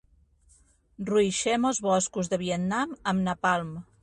Ruixem els boscos de Vietnam amb napalm.